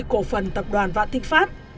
công ty cổ phần tập đoàn vạn thịnh pháp